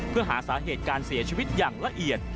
เพื่อหาสาเหตุการเสียชีวิตอย่างละเอียด